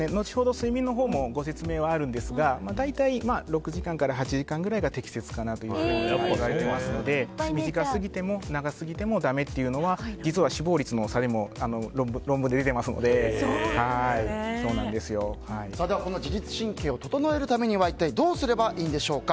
睡眠のほうもご説明はあるんですが大体６時間から８時間が適切かと思いますので短すぎても長すぎてもダメっていうのは実は死亡率の差も論文で出てますのでこの自律神経を整えるためには一体どうすればいいんでしょうか。